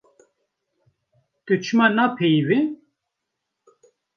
Tu çima napeyivî.